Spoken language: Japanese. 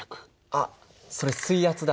あっそれ水圧だ。